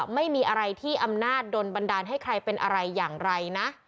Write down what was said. ไม่มีอะไรที่อำนาจโดนบันดาลให้ใครเป็นอะไรอย่างไรนะ